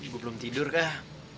gue belum tidur kah